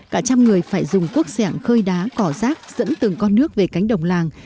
cả trăm người phải dùng quốc sẻng khơi đá cỏ rác dẫn từng con nước về cánh đồng làng